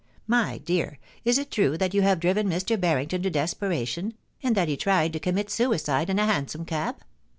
My dear, is it true that you have driven Mr. Banington to desperation, and that he tried to commit suicide in a hansom cab